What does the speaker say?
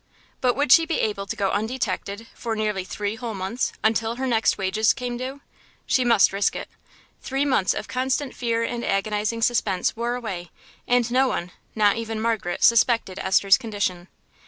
But would she be able to go undetected for nearly three whole months, until her next wages came due? She must risk it. Three months of constant fear and agonising suspense wore away, and no one, not even Margaret, suspected Esther's condition.